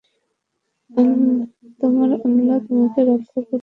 তোমার আল্লাহ তোমাকে রক্ষা করুক।